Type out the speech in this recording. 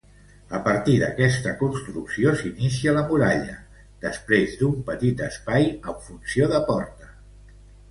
A partir d'aquesta construcció s'inicia la muralla, després d'un petit espai amb funció de porta.